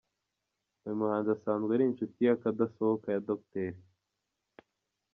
Uyu muhanzi asanzwe ari inshuti y’akadasohoka ya Dr.